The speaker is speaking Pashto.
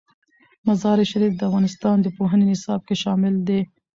مزارشریف د افغانستان د پوهنې نصاب کې شامل دي.